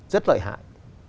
rất lợi hại